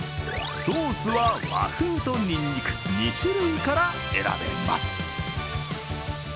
ソースは和風とにんにく２種類から選べます。